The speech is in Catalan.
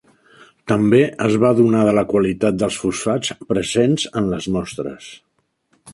També es va adonar de la qualitat dels fosfats presents en les mostres.